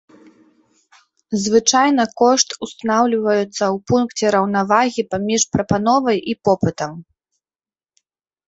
Звычайна кошт устанаўліваецца ў пункце раўнавагі паміж прапановай і попытам.